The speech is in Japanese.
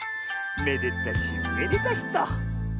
めでたしめでたしと。